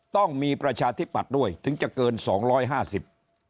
ต้องมีประชาธิปัตย์ด้วยถึงจะเกินสองร้อยห้าสิบ